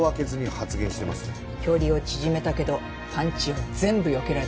距離を縮めたけどパンチを全部よけられた感じ。